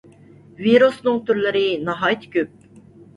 ۋىرۇسنىڭ تۈرلىرى ناھايىتى كۆپ.